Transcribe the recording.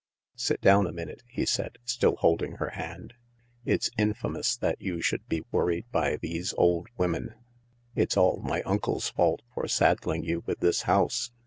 "Sit down a minute," he said* still holding her hand. " It's infamous that you should be worried by these old women. It's all my uncle's fault for saddling you with this house.